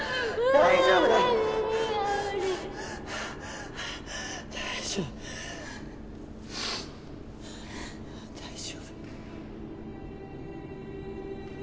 大丈夫大丈夫。